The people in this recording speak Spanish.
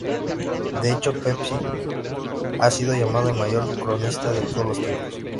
De hecho, Pepys ha sido llamado "el mayor cronista de todos los tiempos".